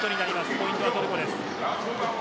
ポイントはトルコです。